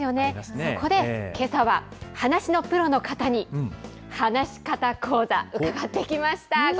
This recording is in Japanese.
そこでけさは、話のプロの方に話し方講座、伺ってきました。